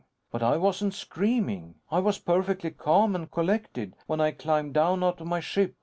"But I wasn't screaming! I was perfectly calm and collected, when I climbed down out of my ship.